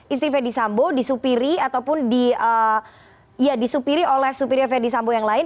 istri ferdi sambo disupiri ataupun disupiri oleh supiria ferdi sambo yang lain